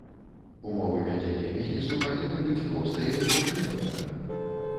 Умовы вядзення бізнесу павінны быць простыя і зразумелыя.